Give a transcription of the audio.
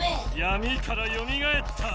やみからよみがえった！